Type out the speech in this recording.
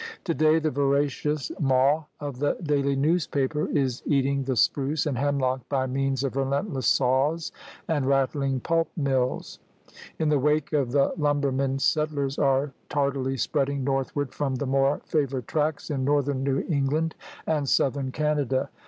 Today the voracious maw of the daily newspaper is eating the spruce and hemlock by means of relentless saws and rattling pulp mills. In the wake of the lumber men settlers are tardily spreading northward from the more favored tracts in northern New England and southern Canada.